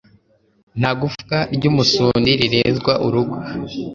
nta gufwa ry'umusundi rirenzwa urugo